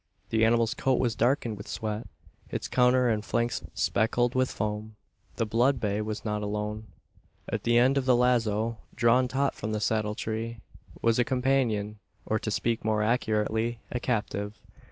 The animal's coat was darkened with sweat; its counter and flanks speckled with foam. The blood bay was not alone. At the end of the lazo drawn taut from the saddle tree was a companion, or, to speak more accurately, a captive.